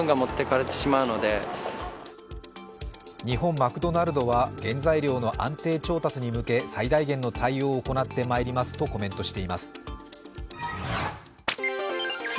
日本マクドナルドは原材料の安定調達に向け、最大限の対応を行ってまいりますとコメントしています。